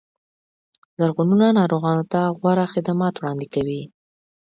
روغتونونه ناروغانو ته غوره خدمات وړاندې کوي.